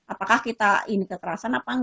apakah kita ini kekerasan